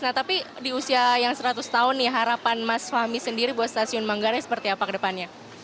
nah tapi di usia yang seratus tahun nih harapan mas fahmi sendiri buat stasiun manggarai seperti apa ke depannya